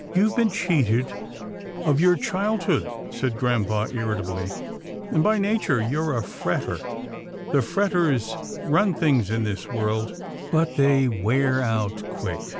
" You've been cheated of your childhood," said grampa irritably, " and by nature you're a fretter. The fretters run things in this world, but they wear out quick."